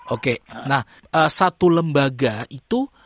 oke nah satu lembaga itu